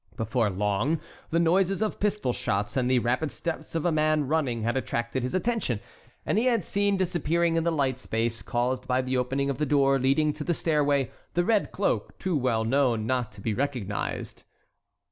Before long the noises of pistol shots and the rapid steps of a man running had attracted his attention, and he had seen disappearing in the light space caused by the opening of the door leading to the stairway the red cloak too well known not to be recognized.